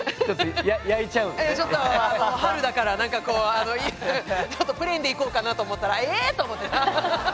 ちょっと春だからプレーンでいこうかなと思ったらええっ⁉と思って。